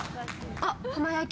あっ、浜焼。